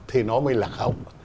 thì nó mới là khóc